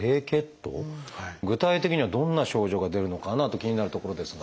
具体的にはどんな症状が出るのかなと気になるところですが。